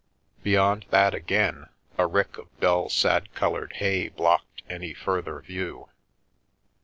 Beyond that again, a rick of dull, sad coloured hay blocked any further view.